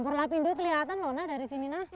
nomor lapi dua kelihatan loh nah dari sini nah